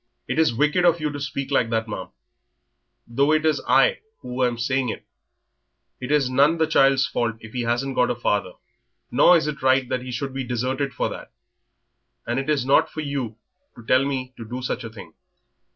"It is wicked of you to speak like that, ma'am, though it is I who am saying it. It is none of the child's fault if he hasn't got a father, nor is it right that he should be deserted for that... and it is not for you to tell me to do such a thing.